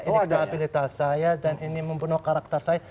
ini ketahabilitas saya dan ini membunuh karakter saya